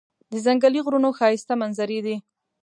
د ځنګلي غرونو ښایسته منظرې دي.